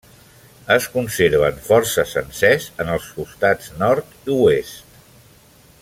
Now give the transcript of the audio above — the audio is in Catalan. Es conserven força sencers en els costats nord i oest.